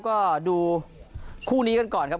ก็ดูคู่นี้กันก่อนครับ